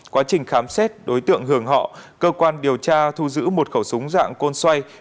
quá trình khám xét đối tượng hưởng họ cơ quan điều tra thu giữ một khẩu súng dạng côn xoay